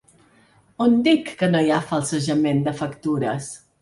On dic que no hi ha falsejament de factures?